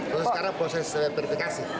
terus sekarang proses verifikasi